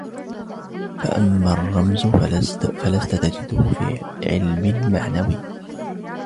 فَأَمَّا الرَّمْزُ فَلَسْت تَجِدُهُ فِي عِلْمٍ مَعْنَوِيٍّ